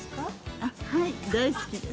◆あっ、はい大好きです。